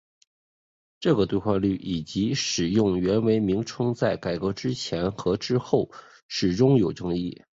这个兑换率以及使用元为名称在改革之前和之后始终有争议。